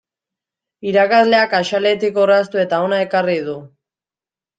Irakasleak axaletik orraztu eta hona ekarri du.